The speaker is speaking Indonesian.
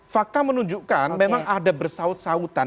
fakta menunjukkan memang ada bersaut sautan